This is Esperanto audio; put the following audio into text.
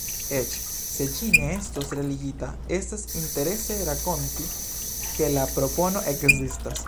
Eĉ se ĝi ne estos realigita, estas interese rakonti, ke la propono ekzistas.